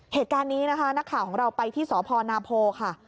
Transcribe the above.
เหตุการณ์นี้นะคะนักข่าวของเราไปที่สพนาโพค่ะ